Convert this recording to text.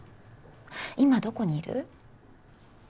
今どこにいる？